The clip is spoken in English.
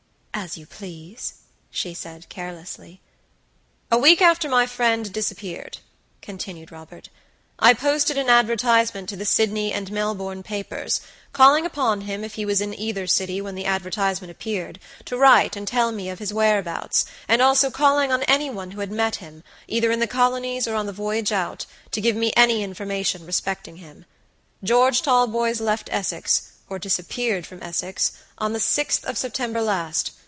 "As you please," she said, carelessly. "A week after my friend disappeared," continued Robert, "I posted an advertisement to the Sydney and Melbourne papers, calling upon him if he was in either city when the advertisement appeared, to write and tell me of his whereabouts, and also calling on any one who had met him, either in the colonies or on the voyage out, to give me any information respecting him. George Talboys left Essex, or disappeared from Essex, on the 6th of September last.